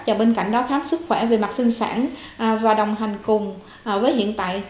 và bên cạnh đó khám sức khỏe về mặt sinh sản và đồng hành cùng với hiện tại